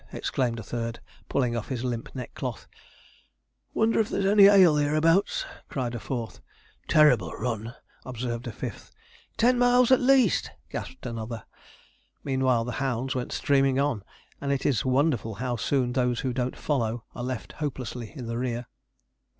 exclaimed a third, pulling off his limp neckcloth; 'Wonder if there's any ale hereabouts,' cried a fourth; 'Terrible run!' observed a fifth; 'Ten miles at least,' gasped another. Meanwhile the hounds went streaming on; and it is wonderful how soon those who don't follow are left hopelessly in the rear.